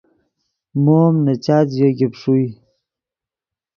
مو ام نے چات ژیو گیپ ݰوئے